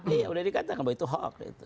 iya udah dikatakan bahwa itu hoax